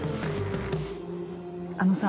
あのさ。